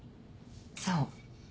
そう。